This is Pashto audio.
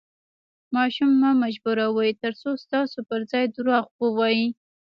ماشوم مه مجبوروئ، ترڅو ستاسو پر ځای درواغ ووایي.